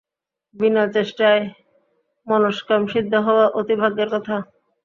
বিনা চেষ্টায় মনস্কাম সিদ্ধ হওয়া অতি ভাগ্যের কথা।